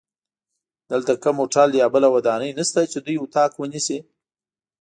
دلته کوم هوټل یا بله ودانۍ نشته چې دوی اتاق ونیسي.